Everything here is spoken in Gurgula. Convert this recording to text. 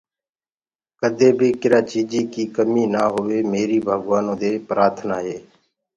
ڪَدي بي ڪرآ چيجي ڪي ڪمي نآ هوئ ميري ڀگَوآنو دي پرآٿنآ هي